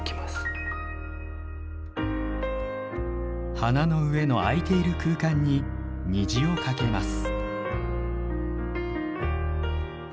花の上の空いている空間に虹をかけます。